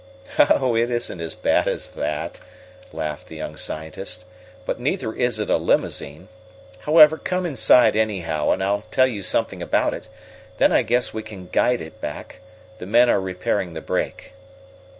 "Oh, it isn't as bad as that!" laughed the young scientist. "But neither is it a limousine. However, come inside, anyhow, and I'll tell you something about it. Then I guess we can guide it back. The men are repairing the break."